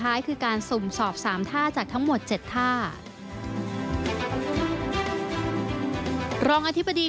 ระบุว่าการสอบใบขับขี่เป็นหนึ่งวิธี